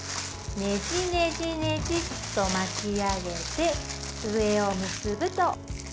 ねじねじねじっと巻き上げて上を結ぶと。